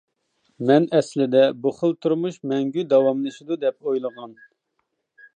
مەن ئەسلىدە بۇ خىل تۇرمۇش مەڭگۈ داۋاملىشىدۇ دەپ ئويلىغان.